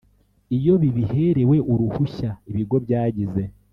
Iyo bibiherewe uruhushya ibigo byagize